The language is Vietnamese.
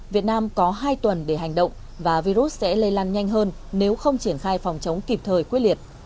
việt nam có hai tuần để hành động và virus sẽ lây lan nhanh hơn nếu không triển khai phòng chống kịp thời quyết liệt